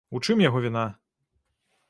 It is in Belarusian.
У чым яго віна?